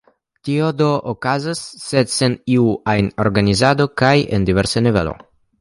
Tio do okazas, sed sen iu ajn organizado kaj en diversa nivelo.